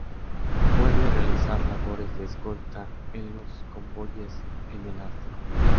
Vuelve a realizar labores de escolta de los convoyes en el Ártico.